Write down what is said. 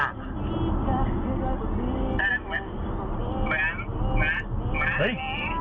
เห้ย